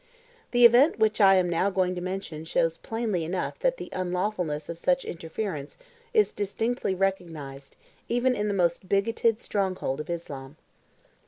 The event which now I am going to mention shows plainly enough that the unlawfulness of such interference is distinctly recognised even in the most bigoted stronghold of Islam.